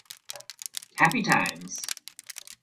Happy Times!